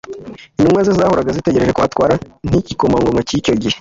Intumwa ze zahoraga zitegereje ko atwara nk'igikomangoma cy'icyo gihe.